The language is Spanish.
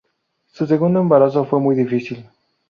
Su segundo embarazo fue muy difícil.